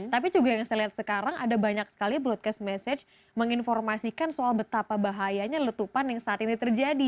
tapi juga yang saya lihat sekarang ada banyak sekali broadcast message menginformasikan soal betapa bahayanya letupan yang saat ini terjadi